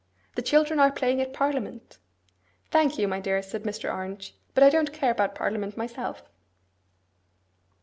The children are playing at parliament.' 'Thank you, my dear,' said Mr. Orange, 'but I don't care about parliament myself.